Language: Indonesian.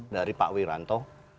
dari pak wiranto